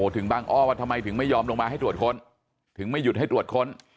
ถึงบางอ้อว่าทำไมถึงไม่ยอมลงมาให้ตรวจค้นถึงไม่หยุดให้ตรวจค้น